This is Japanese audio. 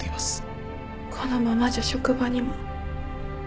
このままじゃ職場にも。